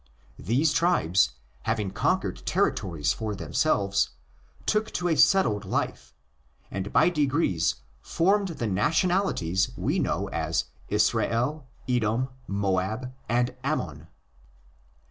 These tribes, having conquered territories for themselves, took to a settled life, and by degrees formed the nationalities we know as Israel, Edom, Moab, and Ammon.